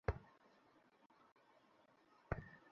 নিঃসন্দেহে মুহাম্মাদ নিহত হয়েছে।